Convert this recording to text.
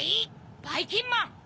ばいきんまん！